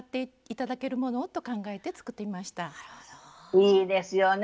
いいですよね。